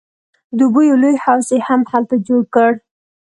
د اوبو یو لوی حوض یې هم هلته جوړ کړ.